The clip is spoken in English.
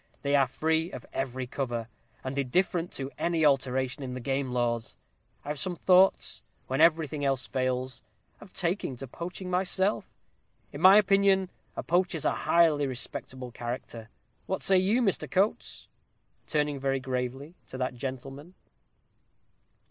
they are free of every cover, and indifferent to any alteration in the game laws. I've some thoughts, when everything else fails, of taking to poaching myself. In my opinion, a poacher's a highly respectable character. What say you, Mr. Coates?" turning very gravely to that gentleman.